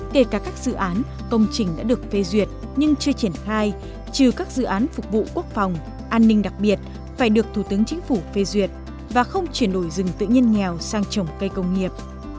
kể cả các dự án công trình đã được phê duyệt nhưng chưa triển khai trừ các dự án phục vụ quốc phòng an ninh đặc biệt phải được thủ tướng chính phủ phê duyệt và không chuyển đổi rừng tự nhiên nghèo sang trồng cây công nghiệp